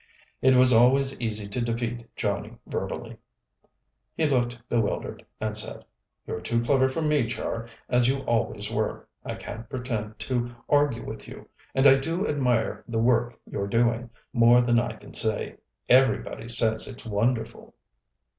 It was always easy to defeat Johnnie verbally. He looked bewildered, and said: "You're too clever for me, Char, as you always were. I can't pretend to argue with you. And I do admire the work you're doing, more than I can say. Everybody says it's wonderful."